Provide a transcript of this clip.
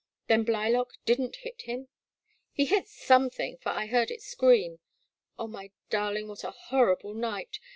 '* Then Blylock did n't hit him ?"He hit something, for I heard it scream — Oh, my darling, what a horrible night